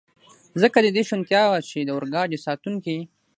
ځکه د دې شونتیا وه، چې د اورګاډي ساتونکي.